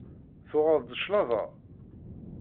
Tuɣeḍ-d claḍa?